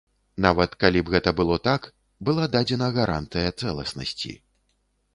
Нават калі б гэта было так, была дадзена гарантыя цэласнасці.